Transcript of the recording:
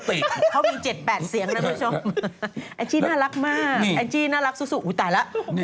เขามี๗๘เสียงนะผู้ชมไอจีน่ารักมากไอจีน่ารักสุดอุ๊ยตายแล้ว